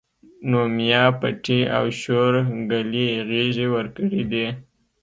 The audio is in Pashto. نو ميا پټي او شورګلې غېږې ورکړي دي